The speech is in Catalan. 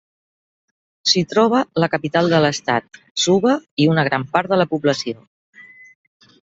S'hi troba la capital de l'estat, Suva, i una gran part de la població.